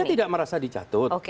dia tidak merasa dicatut